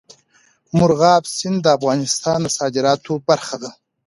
مورغاب سیند د افغانستان د صادراتو برخه ده.